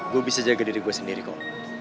gue bisa jaga diri gue sendiri kok